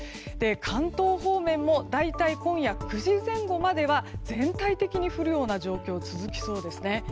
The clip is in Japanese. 関東方面も大体今夜９時前後までは全体的に降るような状況が続きそうですね。